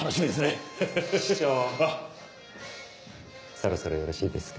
そろそろよろしいですか？